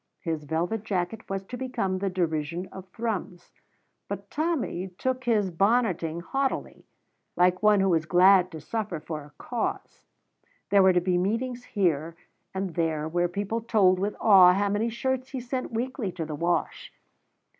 His velvet jacket was to become the derision of Thrums, but Tommy took his bonneting haughtily, like one who was glad to suffer for a Cause. There were to be meetings here and there where people told with awe how many shirts he sent weekly to the wash.